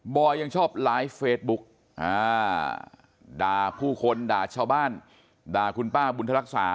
อยยังชอบไลฟ์เฟซบุ๊กด่าผู้คนด่าชาวบ้านด่าคุณป้าบุญทรักษา